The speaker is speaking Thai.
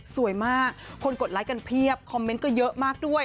สวยมากคนกดไลค์กันเพียบคอมเมนต์ก็เยอะมากด้วย